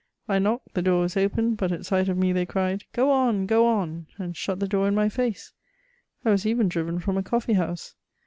I knocked ; the door was opened, but at si^it of me they cried, '^ Gio on, go on !" and shut the door in my hee, I was even driven from a eoffee^ honse.